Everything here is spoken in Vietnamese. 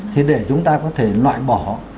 thì để chúng ta có thể loại bỏ